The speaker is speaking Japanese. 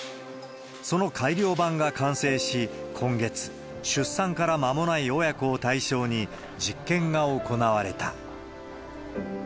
その改良版が完成し、今月、出産から間もない親子を対象に、実験が行われた。